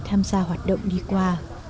tham gia hoạt động đi qua